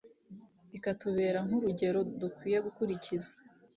ikatubera nk'urugero dukwiye gukurikiza.